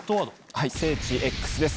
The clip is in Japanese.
はい『聖地Ｘです』。